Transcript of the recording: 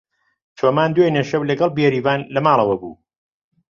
چۆمان دوێنێ شەو لەگەڵ بێریڤان لە ماڵەوە بوو.